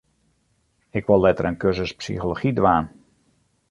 Ik wol letter in kursus psychology dwaan.